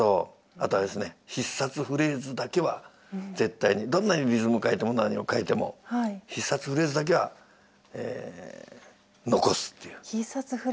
あとあれですね必殺フレーズだけは絶対にどんなにリズム変えても何を変えても必殺フレーズっていうのは？